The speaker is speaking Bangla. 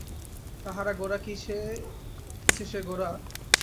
তাঁহার গোরা কি যে-সে গোরা!